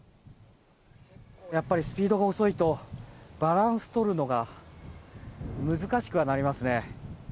やっぱりスピードが遅いとバランスとるのが難しくはなりますね。